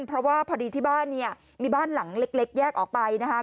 เพราะว่าพอดีที่บ้านเนี่ยมีบ้านหลังเล็กแยกออกไปนะคะ